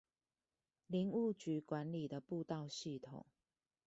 林務局管理的步道系統